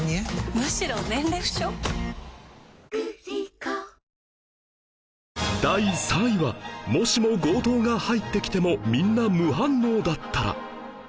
家族で話そう帯状疱疹第３位はもしも強盗が入ってきてもみんな無反応だったら